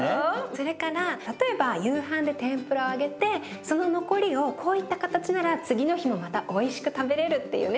それから例えば夕飯で天ぷらを揚げてその残りをこういった形なら次の日もまたおいしく食べれるっていうね